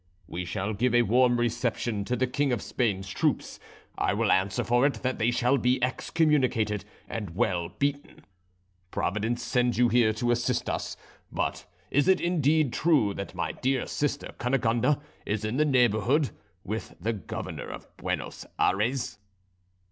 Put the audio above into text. We shall give a warm reception to the King of Spain's troops; I will answer for it that they shall be excommunicated and well beaten. Providence sends you here to assist us. But is it, indeed, true that my dear sister Cunegonde is in the neighbourhood, with the Governor of Buenos Ayres?"